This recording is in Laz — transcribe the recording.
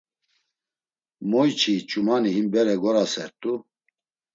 Moyçi ç̌umani him bere gorasert̆u!